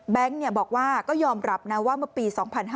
บอกว่าก็ยอมรับนะว่าเมื่อปี๒๕๕๙